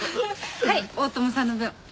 はい大友さんの分。